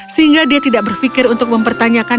sehingga dia tidak berpikir untuk mempertanyakan